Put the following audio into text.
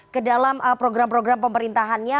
ke dalam program program pemerintahannya